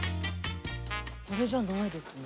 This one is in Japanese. これじゃないですね。